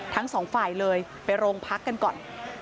ทั้งสองฝ่ายเลยไปโรงพักกันก่อน